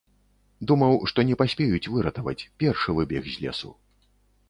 Думаў, што не паспеюць выратаваць, першы выбег з лесу.